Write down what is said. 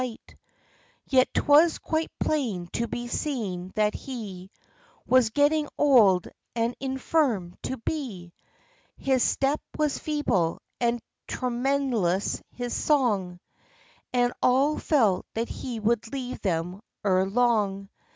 84 THE LIFE AND ADVENTURES Yet 'twas quite plain to be seen, that he Was getting old and infirm to be. His step was feeble, and tremulous his song; And all felt that he would leave them ere long.